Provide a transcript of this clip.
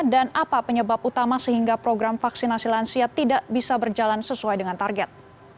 dan apa penyebab utama sehingga program vaksinasi lansia tidak bisa berjalan sesuai dengan target